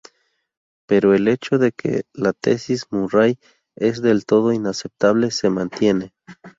Pero el hecho de que la tesis Murray es del todo inaceptable se mantiene.